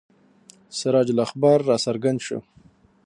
سراج الاخبار را څرګند شو.